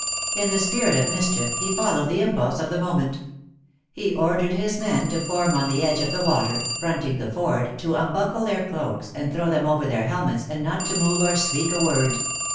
In the spirit of mis chief, he followed the impulse of the moment. lie ordered his men to form on the edge of the water, fronting the ford, to unbuckle their cloaks, and throw them over their helmets, and not to move or speak a word.